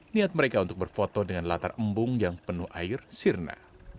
niat mereka untuk berfoto dengan latar embung yang penuh air sirna